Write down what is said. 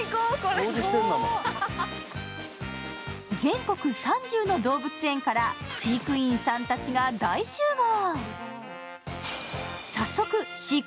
全国３０の動物園から飼育員さんたちが大集合。